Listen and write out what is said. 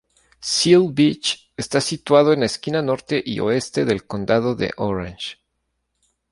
Seal Beach está situado en la esquina norte y oeste del condado de Orange.